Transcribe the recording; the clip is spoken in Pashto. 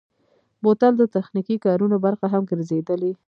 بوتل د تخنیکي کارونو برخه هم ګرځېدلی.